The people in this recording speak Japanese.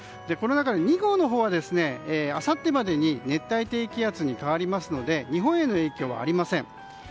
この中で２号のほうはあさってまでに熱帯低気圧に変わりますので日本への影響はありません。